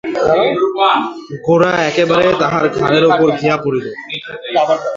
গোরা একেবারে তাঁহার ঘাড়ের উপর গিয়া পড়িল।